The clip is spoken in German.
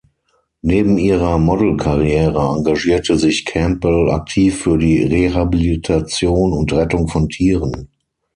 Neben ihrer Modelkarriere engagierte sich Campbell aktiv für die Rehabilitation und Rettung von Tieren.